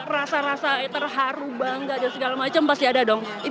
rasa rasa terharu bangga dan segala macam pasti ada dong